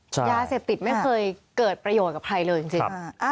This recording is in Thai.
ยาเสพติดไม่เคยเกิดประโยชน์กับใครเลยจริง